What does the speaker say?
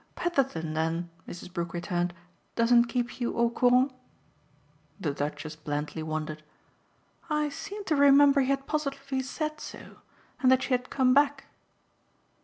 "Petherton then," Mrs. Brook returned, "doesn't keep you au courant?" The Duchess blandly wondered. "I seem to remember he had positively said so. And that she had come back."